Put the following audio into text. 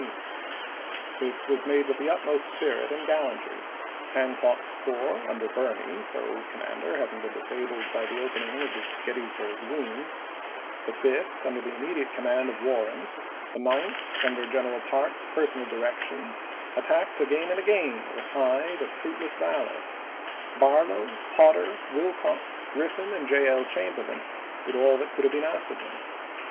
JiS&l * This was made with the utmost spirit and gal lantry : Hancock's corps, under Birney, their old commander having been disabled by the opening of his Gettysburg wounds; the Fifth, under the immediate command of Warren ; the Ninth, under General Parke's personal direction, attacked again and again with high but fruitless valor ; Barlow, Potter, Willcox, Griffin, and J. L. Chamberlain did all that could have been asked of them.